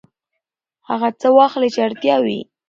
هغه څه واخلئ چې اړتیا وي.